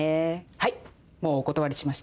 はいもうお断りしました。